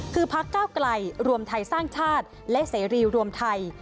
คือพักเก้าไกลรวมไทยสร้างชาติและเสรีรวมไทย